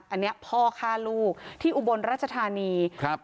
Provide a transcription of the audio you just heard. อันนี้พ่อฆ่าลูกที่อุบลราชธานีครับ